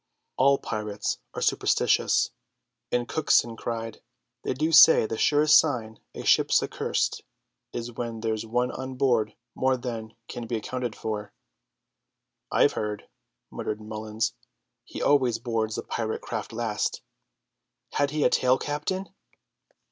All pirates are superstitious, and Cookson cried, "They do say the surest sign a ship's accurst is when there's one on board more than can be accounted for." "I've heard," muttered Mullins, "he always boards the pirate craft last. Had he a tail, captain?"